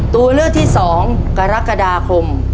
ตัวเลือกที่๒กรกฎาคม